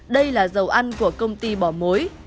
đây là dầu ăn của công ty bỏ mối